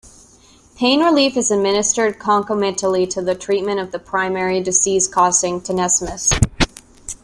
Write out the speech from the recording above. Pain relief is administered concomitantly to the treatment of the primary disease causing tenesmus.